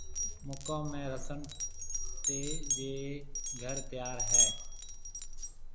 مڪوم ۾ رسڻ تيَ جي گھر تيار ھيََََ